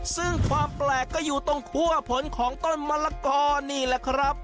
ซึ่งความแปลกก็อยู่ตรงคั่วผลของต้นมะละกอนี่แหละครับ